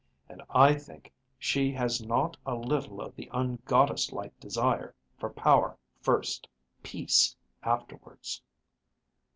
And I think she has not a little of the un goddess like desire for power first, peace afterwards."